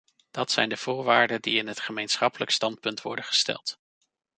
Dat zijn de voorwaarden die in het gemeenschappelijk standpunt worden gesteld.